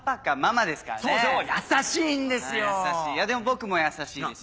でも僕も優しいですよ。